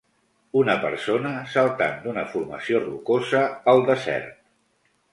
Una persona saltant d'una formació rocosa al desert.